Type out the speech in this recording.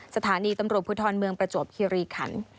สถานีตำรวจภูทรเมืองประจวบคิริขัน